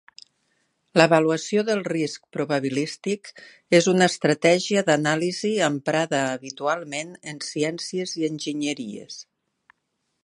L'avaluació del risc probabilístic és una estratègia d'anàlisi emprada habitualment en ciències i enginyeries.